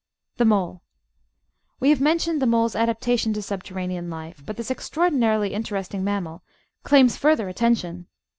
The Mole We have mentioned the Mole's adaptation to subterranean life, but this extraordinarily interesting mammal claims further 462 The Outline of Science attention.